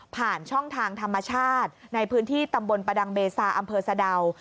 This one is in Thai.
ผ่านช่องทางธรรมชาติในพื้นที่ตำบลประดังเบซาอำเภอสะดาว